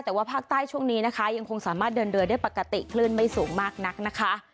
แต่ว่าภาคใต้ช่วงนี้นะคะยังคงสามารถเดินเรือได้ปกติคลื่นไม่สูงมากนักนะคะ